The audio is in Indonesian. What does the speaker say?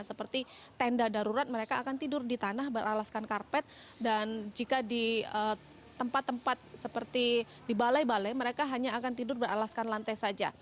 seperti tenda darurat mereka akan tidur di tanah beralaskan karpet dan jika di tempat tempat seperti di balai balai mereka hanya akan tidur beralaskan lantai saja